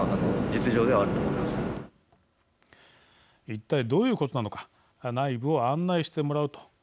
一体どういうことなのか内部を案内してもらうと。